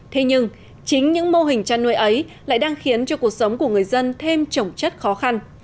thế nhưng chính những mô hình chăn nuôi ấy lại đang khiến cho cuộc sống của người dân thêm trổng chất khó khăn